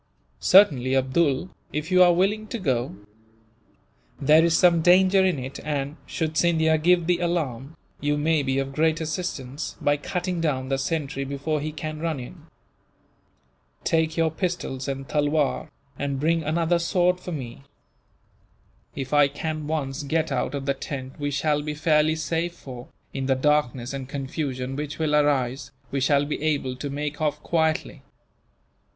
"Certainly, Abdool, if you are willing to go. There is some danger in it and, should Scindia give the alarm, you may be of great assistance, by cutting down the sentry before he can run in. Take your pistols and tulwar, and bring another sword for me. If I can once get out of the tent we shall be fairly safe for, in the darkness and confusion which will arise, we shall be able to make off quietly.